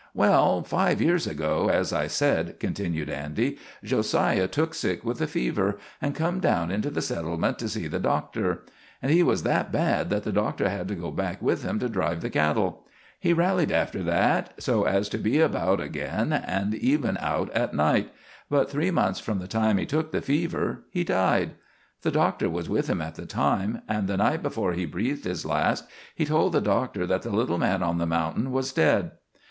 "Well, five years ago, as I said," continued Andy, "Jo siah took sick with a fever, and come down into the settlement to see the doctor; and he was that bad that the doctor had to go back with him to drive the cattle. He rallied after that so as to be about again, and even out at night; but three months from the time he took the fever he died. The doctor was with him at the time, and the night before he breathed his last he told the doctor that the little man on the mountain was dead.